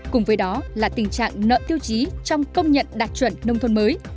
cùng với đó là tình trạng nợ tiêu chí trong công nhận đạt chuẩn nông thôn mới